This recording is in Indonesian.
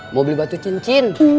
mau beli batu cincin